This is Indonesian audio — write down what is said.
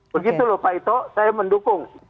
begitu lho pak ito saya mendukung